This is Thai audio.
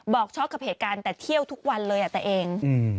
ช็อกกับเหตุการณ์แต่เที่ยวทุกวันเลยอ่ะแต่เอง